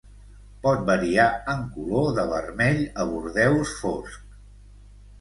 Pot variar en color de vermell a bordeus fosc.